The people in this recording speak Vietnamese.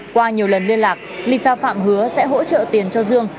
qua nhiều lần liên lạc lisa phạm hứa sẽ hỗ trợ tiền cho dương